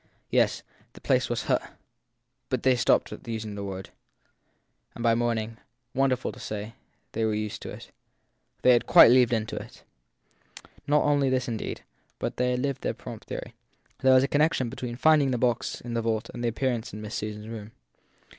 Yes ; the place was h , but they stopped at sounding the word. 252 THE THIRD PERSON And by morning, wonderful to say, they were used to it had quite lived into it. Not only this indeed, but they had their prompt theory. There was a connection between the rinding of the box in the vault and the appearance in Miss Susan s room.